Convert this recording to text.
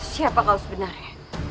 siapa kau sebenarnya